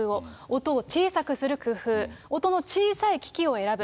音を小さくする工夫、音の小さい機器を選ぶ。